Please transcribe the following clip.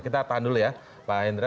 kita tahan dulu ya pak hendra